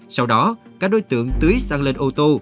sau đó các đối tượng tưới sang lên ô tô